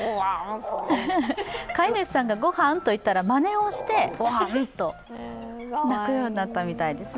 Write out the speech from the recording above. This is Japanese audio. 飼い主さんが「ごはん」と言ったら、まねをして「ごはん」と鳴くようになったみたいですね。